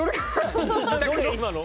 今の。